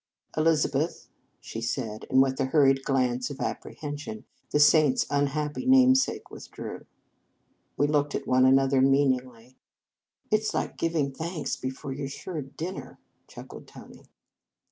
"Elizabeth," she said, and, with a hurried glance of apprehension, the saint s unhappy namesake with drew. We looked atone another mean ingly. " It s like giving thanks before 198 Reverend Mother s Feast you re sure of dinner," chuckled Tony.